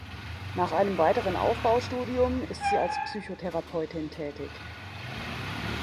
Nach einem weiteren Aufbaustudium ist sie als Psychotherapeutin tätig.